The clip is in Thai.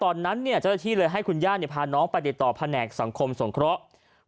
เจ้าหน้าที่เลยให้คุณย่าพาน้องไปติดต่อแผนกสังคมสงเคราะห์